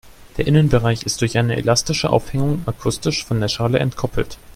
Der Innenbereich ist durch eine elastische Aufhängung akustisch von der Schale entkoppelt.